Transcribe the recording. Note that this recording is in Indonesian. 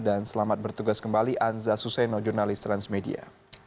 dan selamat bertugas kembali anza suseno jurnalis transmedia